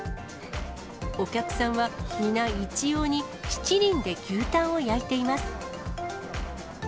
お客さんは皆、一様にしちりんで牛タンを焼いています。